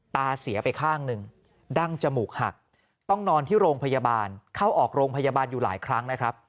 ตาเสียไปข้างหนึ่งดั้งจมูกหักต้องนอนที่โรงพยาบาลเข้าออกโรงพยาบาลอยู่หลายครั้งนะครับ